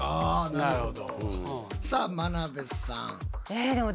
なるほど。